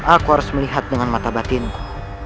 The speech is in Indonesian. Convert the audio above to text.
aku harus melihat dengan mata batinku